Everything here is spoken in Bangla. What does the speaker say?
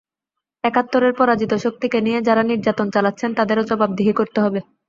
একাত্তরের পরাজিত শক্তিকে নিয়ে যাঁরা নির্যাতন চালাচ্ছেন, তাঁদেরও জবাবদিহি করতে হবে।